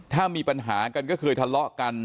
ถ้ามีปัญหากันก็เคยทะเลาะกัน